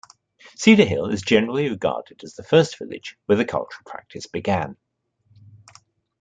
Cedar Hill is generally regarded as the first village where the cultural practice began.